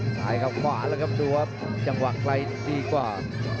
ซ้ายกับขวาแล้วครับดูว่าจังหวักใกล้ดีกว่า